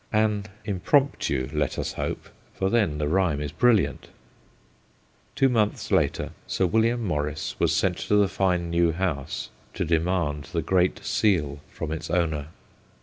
An impromptu, let us hope, for then the rhyme is brilliant. Two months later, Sir William Morrice was sent to the fine new house to demand the Great Seal from its owner.